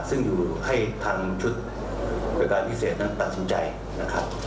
ซึ่งอยู่ให้ทางชุดบริการพิเศษนั้นตัดสินใจนะครับ